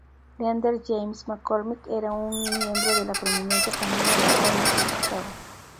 Leander James McCormick era un miembro de la prominente familia McCormick de Chicago.